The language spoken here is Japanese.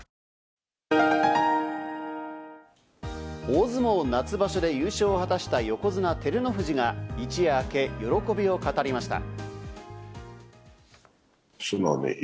大相撲・夏場所で優勝を果たした横綱・照ノ富士が一夜明け、喜びを語りました。